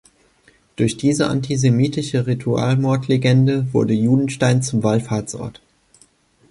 Durch diese antisemitische Ritualmordlegende wurde Judenstein zum Wallfahrtsort.